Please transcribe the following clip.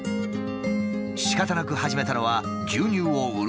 しかたなく始めたのは牛乳を売るアルバイト。